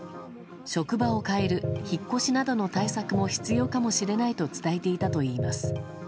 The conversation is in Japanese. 職場を変える、引っ越しなどの対策も必要かもしれないと伝えていたといいます。